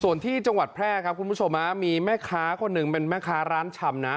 ส่วนที่จังหวัดแพร่ครับคุณผู้ชมมีแม่ค้าคนหนึ่งเป็นแม่ค้าร้านชำนะ